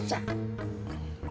sedang membicarakan soal jenazah